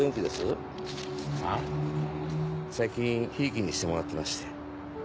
最近ひいきにしてもらってまして。